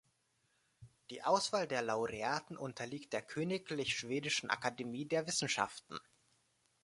Die Auswahl der Laureaten unterliegt der Königlich Schwedischen Akademie der Wissenschaften.